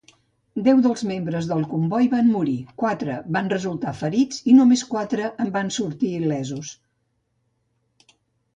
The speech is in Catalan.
Deu dels membres del comboi van morir, quatre van resultar ferits i només quatre en van sortir il·lesos.